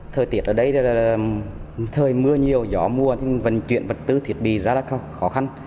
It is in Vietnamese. thời tiết ở đây là thời mưa nhiều gió mùa nhưng vận chuyển vật tư thiết bị ra rất khó khăn